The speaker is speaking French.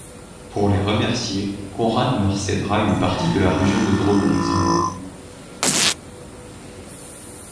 Pour les remercier, Conrad leur cèdera une partie de la région de Dobrzyń.